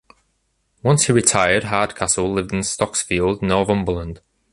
Once he retired Hardcastle lived in Stocksfield, Northuberland.